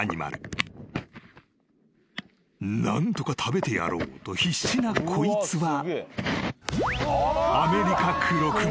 ［何とか食べてやろうと必死なこいつは］